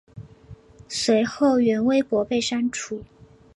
随后原微博被删除。